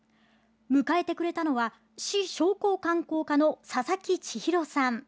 迎えてくれたのは市商工観光課の佐々木千裕さん。